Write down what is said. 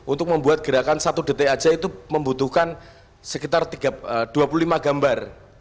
untuk membuat gerakan satu detik aja itu membutuhkan sekitar dua puluh lima gambar